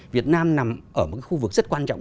việt nam nằm ở một khu vực rất quan trọng